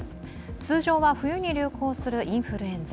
通常は冬に流行するインフルエンザ。